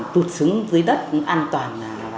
tụt xuống dưới đất cũng an toàn